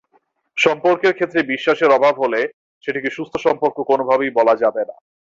সম্পর্কের ক্ষেত্রে বিশ্বাসের অভাব হলে সেটিকে সুস্থ সম্পর্ক কোনোভাবেই বলা যাবে না।